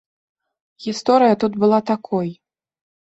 Гісторыя тут была такой.